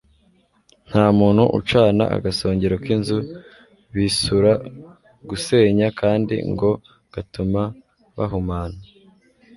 Nta muntu ucana agasongero k’inzu, bisura gusenya ,kandi ngo gatuma bahumana